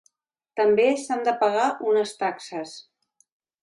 També s'han de pagar unes taxes.